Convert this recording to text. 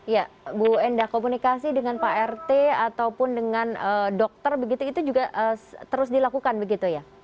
ya bu enda komunikasi dengan pak rt ataupun dengan dokter begitu itu juga terus dilakukan begitu ya